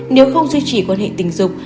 nếu không duy trì quan hệ tình dục